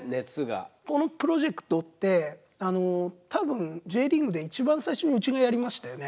このプロジェクトって多分Ｊリーグで一番最初にうちがやりましたよね。